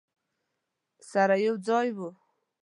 سره یو ځای وو.